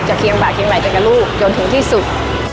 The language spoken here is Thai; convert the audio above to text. จะเคียงบ่าเคียงไหลจังกับลูกจนถึงที่สุด